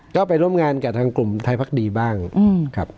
ก็ไปร่วมงานกับทางกลุ่มไทยพักดีบ้างครับ